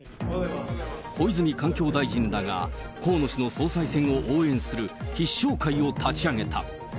小泉環境大臣らが、河野氏の総裁選を応援する必勝会を立ち上げた。